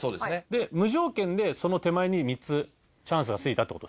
で無条件でその手前に３つチャンスが付いたって事です。